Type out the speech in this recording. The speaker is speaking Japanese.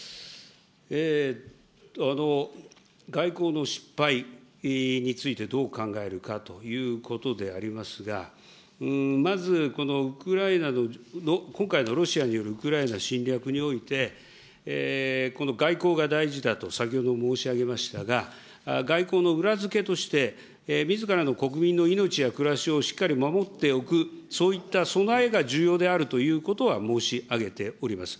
外交の失敗についてどう考えるかということでありますが、まず、このウクライナの、今回のロシアによるウクライナ侵略において、外交が大事だと、先ほど申し上げましたが、外交の裏付けとしてみずからの国民の命や暮らしをしっかり守っておく、そういった備えが重要であるということは申し上げております。